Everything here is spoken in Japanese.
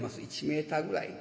１メーターぐらい。